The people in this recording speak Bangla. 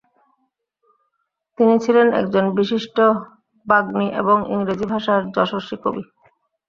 তিনি ছিলেন একজন বিশিষ্ট বাগ্মী এবং ইংরেজি ভাষার যশস্বী কবি।